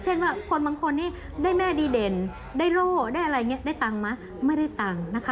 เช่นว่าคนบางคนนี้ได้แม่ดีเด่นได้โล่ได้อะไรอย่างนี้ได้ตังค์ไหมไม่ได้ตังค์นะคะ